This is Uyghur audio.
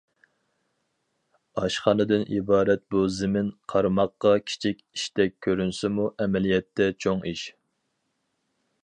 ئاشخانىدىن ئىبارەت بۇ زېمىن قارىماققا كىچىك ئىشتەك كۆرۈنسىمۇ ئەمەلىيەتتە چوڭ ئىش.